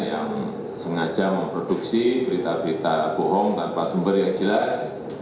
yang sengaja memproduksi berita berita bohong tanpa sumber yang jelas